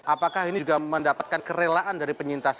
apakah ini juga mendapatkan kerelaan dari penyintas